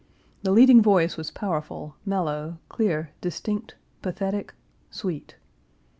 The leading voice was powerful, mellow, clear, distinct, pathetic, sweet.